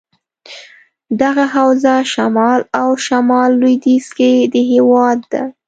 دغه حوزه شمال او شمال لودیځ کې دهیواد ده.